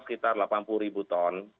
sekitar delapan puluh ribu ton